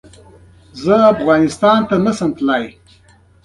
زه افغانستان ته نه سم تلی